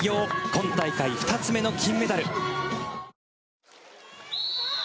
今大会２つ目の金メダル。